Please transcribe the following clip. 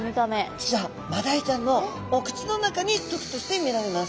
実はマダイちゃんのお口の中に時として見られます。